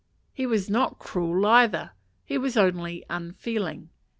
He was not cruel either; he was only unfeeling.